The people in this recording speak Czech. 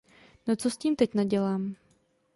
No co s tím těď nadělám.